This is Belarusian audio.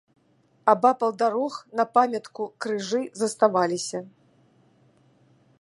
Абапал дарог на памятку крыжы заставаліся.